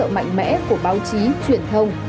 điều mạnh mẽ của báo chí truyền thông